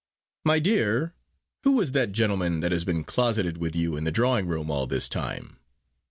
"My dear, who was that gentleman that has been closeted with you in the drawing room all this time?"